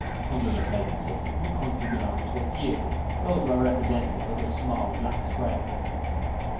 Under the present system the country belongs to a few those who are here represented by this small black square.